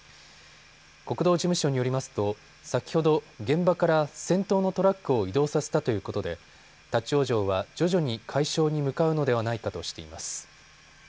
国道事務所によりますと先ほど現場から先頭のトラックを移動させたということで立往生は徐々に解消に向かうのではないかとしています。